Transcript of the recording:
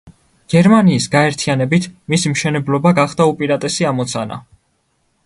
გერმანიის გაერთიანებით მისი მშენებლობა გახდა უპირატესი ამოცანა.